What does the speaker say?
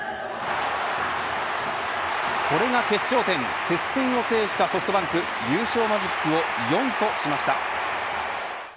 これが決勝点接戦を制したソフトバンク優勝マジックを４としました。